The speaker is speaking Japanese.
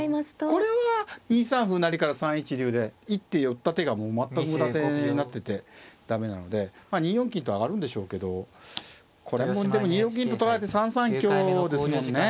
これは２三歩成から３一竜で一手寄った手がもう全く無駄手になってて駄目なので２四金と上がるんでしょうけどこれもでも２六銀と取られて３三香ですもんね